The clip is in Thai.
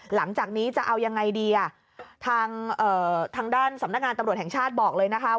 หลังจากนี้จะเอายังไงดีอ่ะทางทางด้านสำนักงานตำรวจแห่งชาติบอกเลยนะคะ